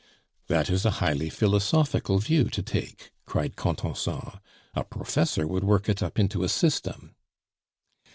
"That is a highly philosophical view to take," cried Contenson. "A professor would work it up into a system."